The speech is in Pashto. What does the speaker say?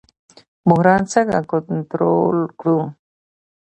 بحران څنګه کنټرول کړو؟